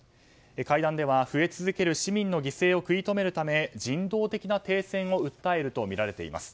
会談では、増え続ける市民の犠牲を食い止めるため人道的な停戦を訴えるとみられています。